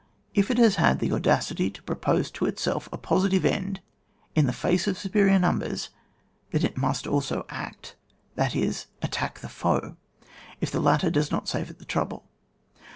If it has had the audacity to propose to itself a positive end in the face of superior numbers, then it must also act, that is, attack the foe, if the latter does not save it the trouble.